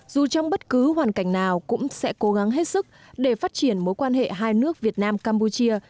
dù trong bất cứ hoàn cảnh nào cũng sẽ cố gắng hết sức để phát triển mối quan hệ hai nước việt nam campuchia